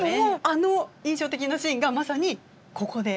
あの印象的なシーンがまさにここで。